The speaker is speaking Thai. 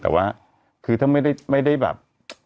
แต่ว่าคือถ้าไม่ได้แบบ